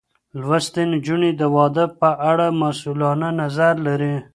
لوستې نجونې د واده په اړه مسؤلانه نظر لري.